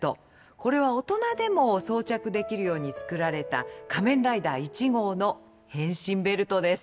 これは大人でも装着できるように作られた仮面ライダー１号の変身ベルトです。